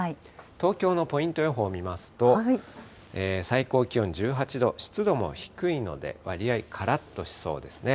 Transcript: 東京のポイント予報を見ますと、最高気温１８度、湿度も低いので、わりあいからっとしそうですね。